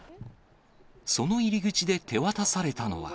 その入り口で手渡されたのは。